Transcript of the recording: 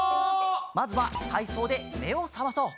まずはたいそうでめをさまそう！